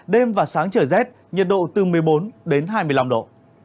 đêm và sáng trời rét nhiệt độ từ một mươi bốn đến hai mươi năm độ